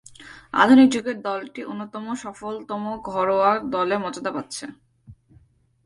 আধুনিক যুগে দলটি অন্যতম সফলতম ঘরোয়া দলের মর্যাদা পাচ্ছে।